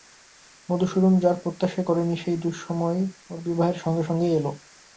মধুসূদন যার প্রত্যাশাই করে নি সেই দুঃসময় ওর বিবাহের সঙ্গে সঙ্গেই এল।